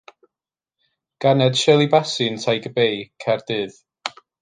Ganed Shirley Bassey yn Tiger Bay, Caerdydd.